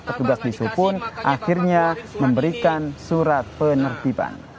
petugas bisu pun akhirnya memberikan surat penertiban